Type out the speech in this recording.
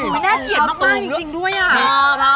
มันน่าเกลียดมากจริงด้วยอะ